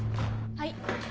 はい。